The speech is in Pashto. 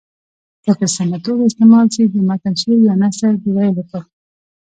که په سمه توګه استعمال سي د متن شعر یا نثر د ویلو په